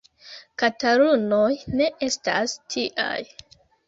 Katalunoj ne estas tiaj.